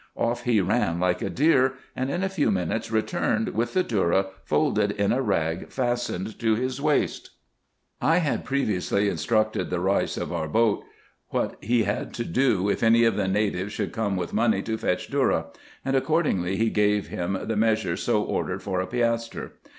Off he ran like a deer, and in a few minutes returned with the dhourra folded in a rag fastened to his waist. I had previously instructed the Beis of our boat what he had m 2 84 RESEARCHES AND OPERATIONS to do, if any of the natives should come with money to fetch dhourra ; and accordingly he gave him the measure so ordered for a piastre.